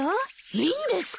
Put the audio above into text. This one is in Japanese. いいんですか？